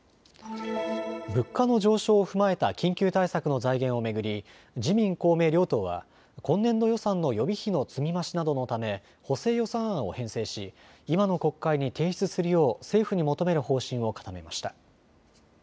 物価の上昇を踏まえた緊急対策の財源を巡り自民公明両党は今年度予算の予備費の積み増しなどのため補正予算案を編成し今の国会に提出するよう政府に求める方針を固めました。